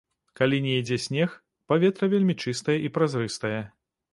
Калі не ідзе снег, паветра вельмі чыстае і празрыстае.